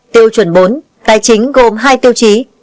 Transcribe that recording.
tiêu chuẩn bốn tài chính gồm hai tiêu chí